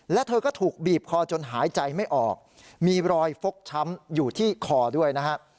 และเธอก็ถูกบีบคอจนหายใจไม่ออกมีรอยฟกช้ำอยู่ที่คอด้วยนะฮะ